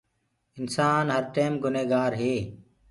انسآن هر ٽيم گُني گآري